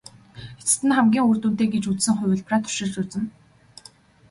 Эцэст нь хамгийн үр дүнтэй гэж үзсэн хувилбараа туршиж үзнэ.